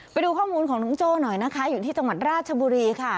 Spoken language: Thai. ไปดูข้อมูลของน้องโจ้หน่อยนะคะอยู่ที่จังหวัดราชบุรีค่ะ